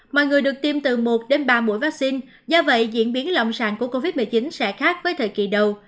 mọi người được tiêm từ một đến ba mũi vaccine do vậy diễn biến lâm sàng của covid một mươi chín sẽ khác với thời kỳ đầu